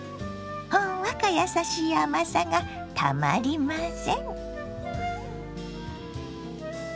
ほんわかやさしい甘さがたまりません。